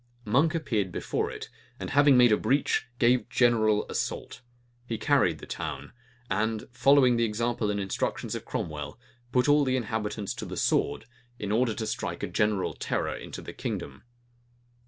Monk appeared before it; and having made a breach, gave a general assault. He carried the town; and following the example and instructions of Cromwell, put all the inhabitants to the sword, in order to strike a general terror into the kingdom.